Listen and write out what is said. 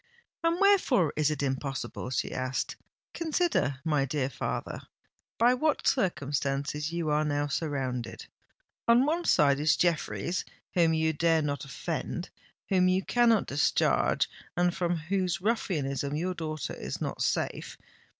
"And wherefore is it impossible?" she asked. "Consider, my dear father, by what circumstances you are now surrounded. On one side is Jeffreys whom you dare not offend—whom you cannot discharge—and from whose ruffianism your daughter is not safe.